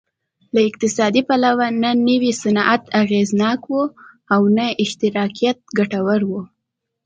له اقتصادي پلوه نه نوی صنعت اغېزناک و او نه اشتراکیت ګټور و